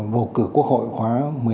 vô cử quốc hội khóa một mươi năm